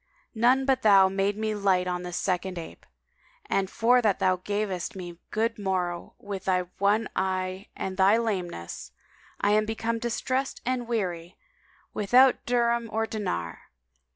None but thou made me light on this second ape: and for that thou gavest me good morrow with thy one eye and thy lameness, [FN#189] I am become distressed and weary, without dirham or dinar."